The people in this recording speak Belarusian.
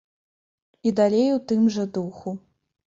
І далей у тым жа духу.